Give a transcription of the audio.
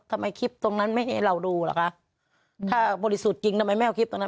ทำไมคลิปตรงนั้นไม่ให้เราดูเหรอคะถ้าบริสุทธิ์จริงทำไมไม่เอาคลิปตรงนั้น